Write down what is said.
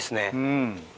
うん。